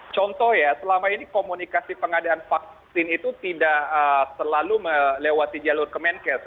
contoh ya selama ini komunikasi pengadaan vaksin itu tidak selalu melewati jalur kemenkes